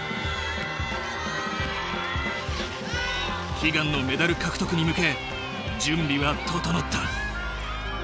悲願のメダル獲得に向け準備は整った！